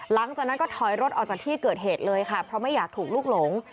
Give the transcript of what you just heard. หลังจากนั้นก็ถอยรถออกจากที่เกิดเหตุเลยค่ะเพราะไม่อยากถูกลูกหลง